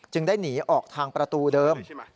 ได้หนีออกทางประตูเดิม